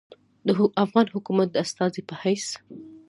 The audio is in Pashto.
د افغان حکومت د استازي پۀ حېث